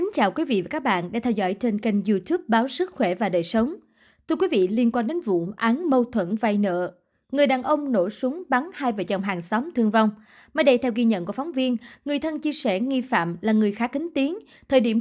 các bạn hãy đăng ký kênh để ủng hộ kênh của chúng mình nhé